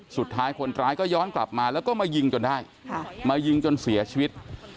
สุดท้ายคนร้ายก็ย้อนกลับมาแล้วก็มายิงจนได้มายิงจนเสียชีวิต